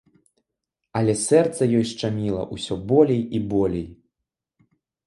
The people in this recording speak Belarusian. Але сэрца ёй шчаміла ўсё болей і болей.